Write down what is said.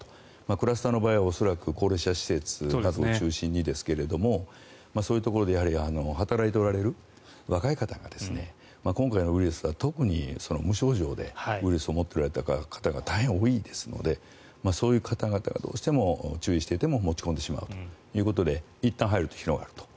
クラスターの場合は恐らく高齢者施設などを中心にですがそういうところでやはり働いておられる若い方が今回のウイルスが、特に無症状でウイルスを持っている方が大変多いですのでそういう方々がどうしても注意していても持ち込んでしまうということでいったん入ると広がると。